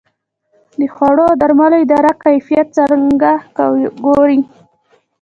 د خوړو او درملو اداره کیفیت څنګه ګوري؟